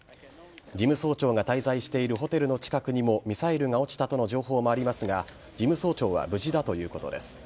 事務総長が滞在しているホテルの近くにもミサイルが落ちたとの情報がありますが事務総長は無事だということです。